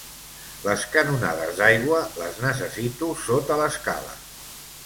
Les canonades d'aigua, les necessito sota l'escala.